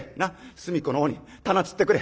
隅っこの方に棚つってくれ。